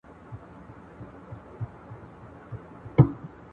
تعليم وسله ده چي جهالت له منځه وړي.